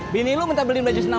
bini lo minta beli belajar senaman